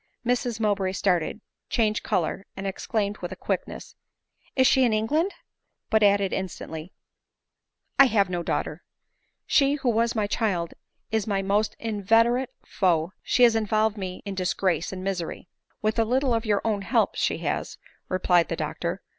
Mrs Mowbray started, changed color, and exclaimed with quickness, " Is she in England ?" but added in standy, " I have no daughter ; she, who was my child, is my most inveterate foe ; she has involved me in dis grace and misery." " With a little of your own help she has," replied the doctor.